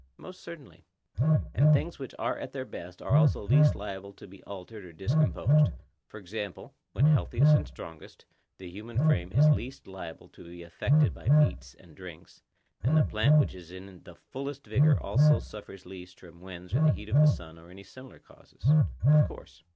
Most certainly. And things which are at their best are also least liable to be altered or discomposed; for example, when healthiest and strongest, the human frame is least liable to be affected by meats and drinks, and the plant which is in the fullest vigour also suffers least from winds or the heat of the sun or any similar causes. Of course.